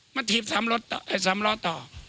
มาทีบสำรอต่อ